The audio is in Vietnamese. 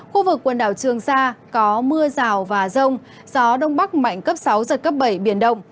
khu vực quần đảo trường sa có mưa rào và rông gió đông bắc mạnh cấp sáu giật cấp bảy biển động